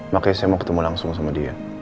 makanya saya mau ketemu langsung sama dia